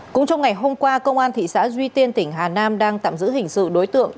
cũng trong ngày hôm qua công an thị xã duy tiên tỉnh hà nam đang tạm giữ hình sự đối tượng